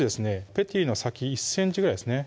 ペティの先１ｃｍぐらいですね